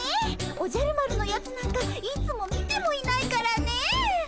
おじゃる丸のやつなんかいつも見てもいないからねえ。